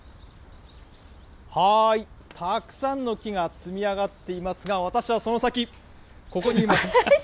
たくさんの木が積み上がっていますが、私はその先、ここにいます。